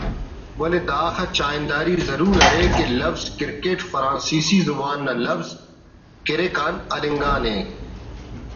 ولے داخہ چاہنداری ضرور ارے کہ لوز ”کرکٹ“ فرانسیسی زبان نا لوز ”کرک“ آن ہلنگانے